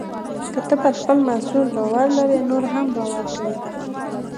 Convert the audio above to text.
که ته پر خپل محصول باور لرې، نور هم باور کوي.